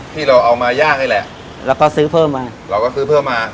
ที่เราเอามาย่างนี่แหละแล้วก็ซื้อเพิ่มมาเราก็ซื้อเพิ่มมา